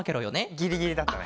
ギリギリだったね。